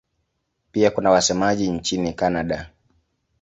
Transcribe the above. Pia kuna wasemaji nchini Kanada.